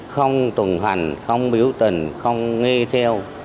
không tuần hành không biểu tình không nghe theo